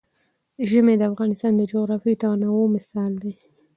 ژمی د افغانستان د جغرافیوي تنوع مثال دی.